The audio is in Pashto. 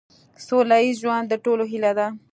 سوله ایز ژوند د ټولو هیله ده.